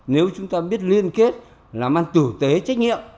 nếu chúng ta biết liên kết làm ăn tử tế trách nhiệm